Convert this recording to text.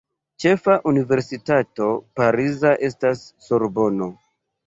Ĉefa universitato pariza estas Sorbono.